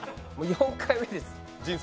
４回目です。